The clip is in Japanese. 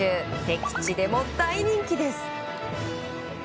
敵地でも大人気です。